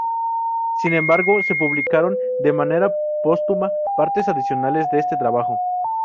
Sin embargo, se publicaron de manera póstuma partes adicionales de este trabajo.